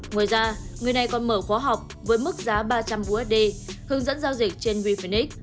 ngoài ra người này còn mở khóa học với mức giá ba trăm linh usd hướng dẫn giao dịch trên wefinic